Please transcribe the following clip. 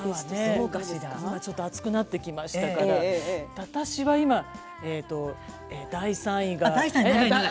ちょっと暑くなってきましたから私は今第３位が。